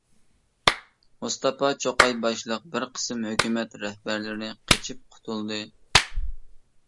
مۇستاپا چوقاي باشلىق بىر قىسىم ھۆكۈمەت رەھبەرلىرى قېچىپ قۇتۇلدى.